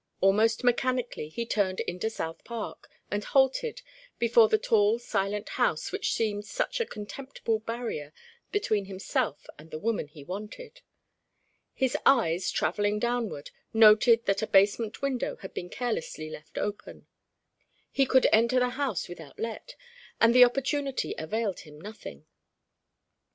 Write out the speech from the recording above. Almost mechanically he turned into South Park, and halted before the tall silent house which seemed such a contemptible barrier between himself and the woman he wanted. His eyes, travelling downward, noted that a basement window had been carelessly left open. He could enter the house without let and the opportunity availed him nothing.